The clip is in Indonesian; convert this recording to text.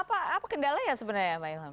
apa kendalanya sebenarnya pak ilham